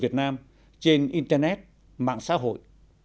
trên internet mạng xã hội